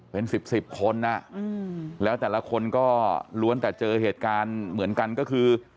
เป็น๑๐๑๐คนแล้วแต่ละคนก็ล้วนแต่เจอเหตุการณ์เหมือนกันก็คือ